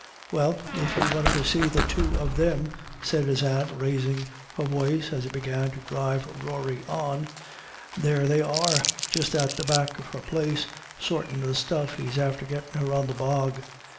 "Well, if you wanted to see the two of thim," said his aunt, raising her voice as he began to drive Rory on, "there they are, just at the back of her place, sortin' the stuff he's after gettin' her on the bog.